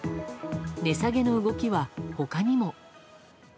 値下げの動きは他にも。